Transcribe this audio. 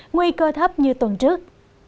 nguy cơ thấp như tuần trước